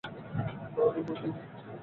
না আমি বুঝিনি।